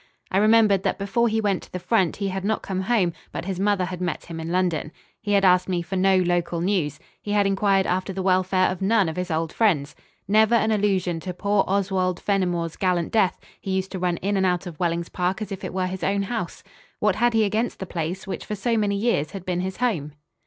I remembered that before he went to the front he had not come home, but his mother had met him in London. He had asked me for no local news. He had inquired after the welfare of none of his old friends. Never an allusion to poor Oswald Fenimore's gallant death he used to run in and out of Wellings Park as if it were his own house. What had he against the place which for so many years had been his home?